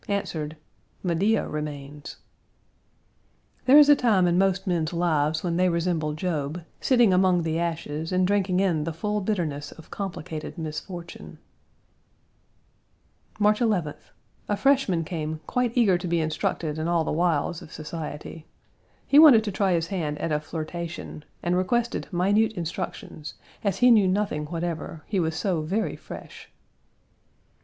answered: "Medea remains." "There is a time in most men's lives when they resemble Job, sitting among the ashes and drinking in the full bitterness of complicated misfortune." Page 138 March 11th. A freshman came quite eager to be instructed in all the wiles of society. He wanted to try his hand at a flirtation, and requested minute instructions, as he knew nothing whatever: he was so very fresh.